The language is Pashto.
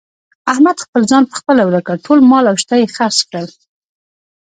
احمد خپل ځان په خپله ورک کړ. ټول مال او شته یې خرڅ کړل.